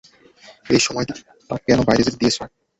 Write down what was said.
এই সময়ে তাকে কেন বাইরে যেতে দিয়েছো?